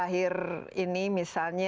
yang friendly yang tolerant dan lain sebagainya